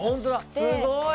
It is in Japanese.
すごい！